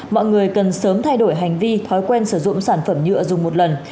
mọi người cần sớm thay đổi hành vi thói quen sử dụng sản phẩm nhựa dùng một lần